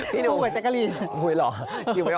คู่กับแจ๊กกะรีน